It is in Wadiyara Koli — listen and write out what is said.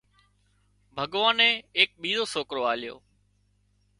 ڀڳوانئي ايڪ ٻيزو سوڪرو آليو